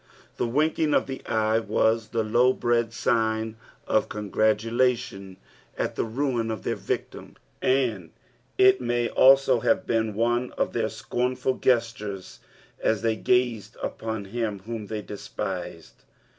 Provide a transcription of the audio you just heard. '" The wiokiiig of the eje was the low bred sign of congratulation at the ruin of their victim, and it maj also have l>een one of their HComful gestures as they gazed UpOD him whom they despisiid.